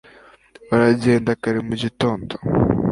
baragenda kare cyane mu gitondo